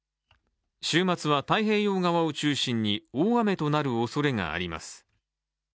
週末は太平洋側を中心に大雨となるおそれがあります。